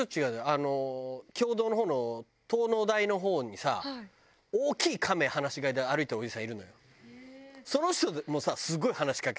あの経堂の方の東農大の方にさ大きいカメ放し飼いで歩いてるおじさんいるのよ。